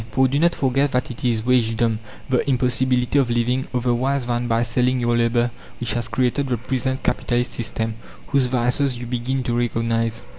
For, do not forget that it is wagedom, the impossibility of living otherwise than by selling your labour, which has created the present Capitalist system, whose vices you begin to recognize."